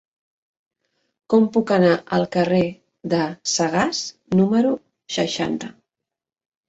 Com puc anar al carrer de Sagàs número seixanta?